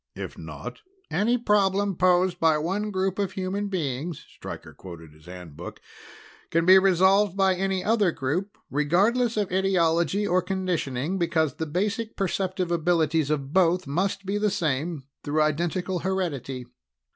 If not " "Any problem posed by one group of human beings," Stryker quoted his Handbook, "_can be resolved by any other group, regardless of ideology or conditioning, because the basic perceptive abilities of both must be the same through identical heredity_."